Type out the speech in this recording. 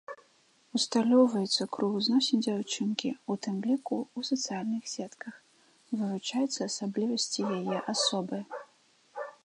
Усталёўваецца круг зносін дзяўчынкі, у тым ліку, у сацыяльных сетках, вывучаюцца асаблівасці яе асобы.